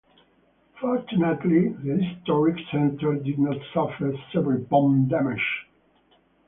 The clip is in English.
Fortunately the historic centre did not suffer severe bomb damage.